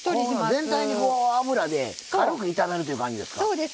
全体に油で軽く炒めるという感じですか？